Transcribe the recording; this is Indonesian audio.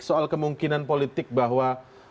soal kemungkinan politik bahwa